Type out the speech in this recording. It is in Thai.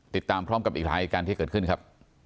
ติดตามพร้อมกับอีกหลายเหตุการณ์ที่เกิดขึ้นครับ